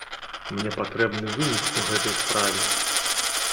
Мне патрэбны вынік у гэтай справе.